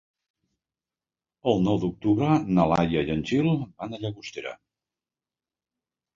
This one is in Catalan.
El nou d'octubre na Laia i en Gil van a Llagostera.